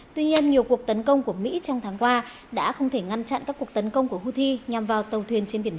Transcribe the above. tuy nhiên nhiều cuộc tấn công của mỹ trong tháng qua đã không thể ngăn chặn các cuộc tấn công của houthi nhằm vào tàu thuyền trên biển đỏ